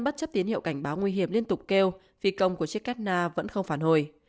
bất chấp tiến hiệu cảnh báo nguy hiểm liên tục kêu phi công của chiếc kena vẫn không phản hồi